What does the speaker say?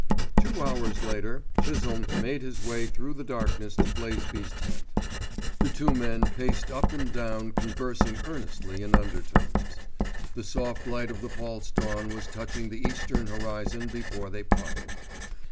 Two hours later Chisholme made his way through the darkness to Blaisby's tent. The two men paced up and down conversing earnestly in undertones. The soft light of the false dawn was touching the Eastern horizon before they parted.